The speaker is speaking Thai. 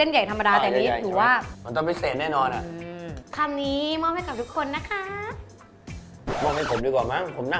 หื้ม